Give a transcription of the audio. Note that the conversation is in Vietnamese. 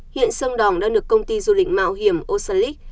hiện sơn đỏng đã được công ty du lịch mạo hiểm osalic